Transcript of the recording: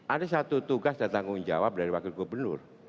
ada satu tugas dan tanggung jawab dari wakil gubernur